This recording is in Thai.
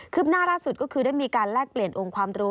หน้าล่าสุดก็คือได้มีการแลกเปลี่ยนองค์ความรู้